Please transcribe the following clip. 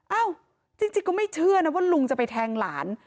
เอ้าจริงก็ไม่เชื่อนะว่าลุงจะไปแทงหลาน